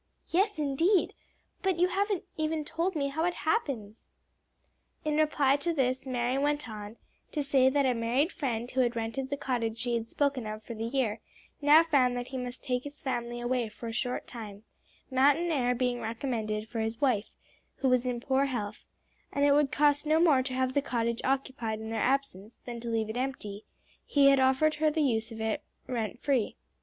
"Yes, indeed! But you haven't told me how it happens." In reply to this Mary went on to say that a married friend who had rented the cottage she had spoken of for the year, now found that he must take his family away for a short time, mountain air being recommended for his wife, who was in poor health, and as it would cost no more to have the cottage occupied in their absence than to leave it empty, he had offered her the use of it rent free.